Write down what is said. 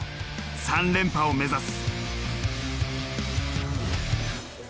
３連覇を目指す。